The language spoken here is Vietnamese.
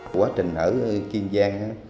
quá trình ở kiên giang